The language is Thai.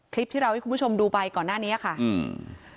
คลิปที่เราให้คุณผู้ชมดูไปก่อนหน้านี้ค่ะอืม